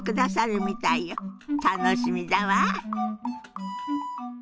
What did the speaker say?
楽しみだわ。